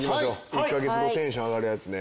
１カ月後テンション上がるやつね。